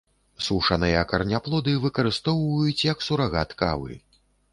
Сушаныя караняплоды выкарыстоўваюць як сурагат кавы.